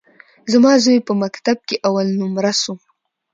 زما زوى په مکتب کښي اول نؤمره سو.